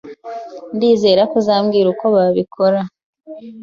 Ndizera ko uzambwira uko nabikora.